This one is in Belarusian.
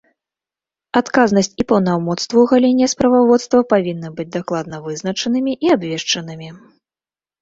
Адказнасць і паўнамоцтвы ў галіне справаводства павінны быць дакладна вызначанымі і абвешчанымі.